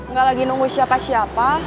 nggak lagi nunggu siapa siapa